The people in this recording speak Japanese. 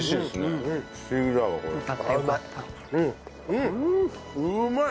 うんうまい！